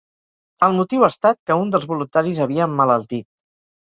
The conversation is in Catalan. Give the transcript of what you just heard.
El motiu ha estat que un dels voluntaris havia emmalaltit.